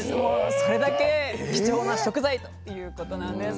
それだけ貴重な食材ということなんです。